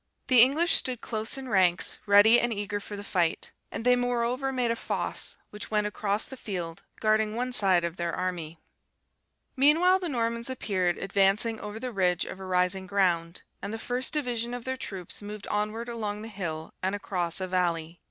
The English stood in close ranks, ready and eager for the fight; and they moreover made a fosse, which went across the field, guarding one side of their army, "Meanwhile the Normans appeared advancing over the ridge of a rising ground; and the first division of their troops moved onwards along the hill and across a vallley.